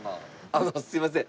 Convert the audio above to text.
あのすいません。